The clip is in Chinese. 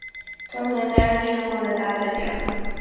同年担任全国人大代表。